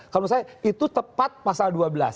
kalau misalnya itu tepat pasal dua belas